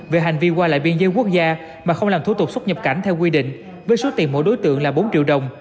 về hành vi qua lại biên giới quốc gia mà không làm thủ tục xuất nhập cảnh theo quy định với số tiền mỗi đối tượng là bốn triệu đồng